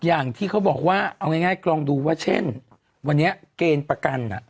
อย่างที่เขาบอกว่าเอาง่ายลองดูว่าเช่นวันนี้เกณฑ์ประกัน